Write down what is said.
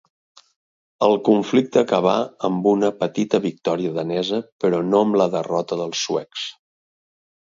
El conflicte acabà amb una petita victòria danesa, però no amb la derrota dels suecs.